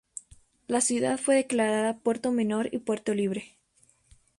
La ciudad fue declarada puerto menor y puerto libre.